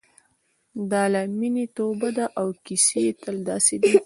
دا له مینې توبه ده او کیسې تل داسې دي.